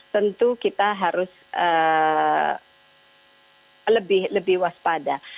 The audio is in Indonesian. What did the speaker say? tentu kita harus lebih waspada